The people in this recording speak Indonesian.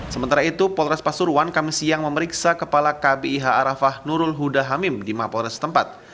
sementara itu polres pasuruan kami siang memeriksa kepala kbih arafah nurul huda hamim di mapolres tempat